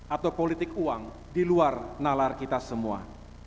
atau politik uang di luar nalar kita semua